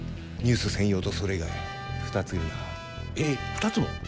２つも？